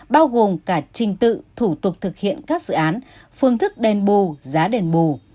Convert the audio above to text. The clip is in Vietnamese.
bao gồm cả trình tự thủ tục thực hiện các dự án phương thức đền bù giá đền bù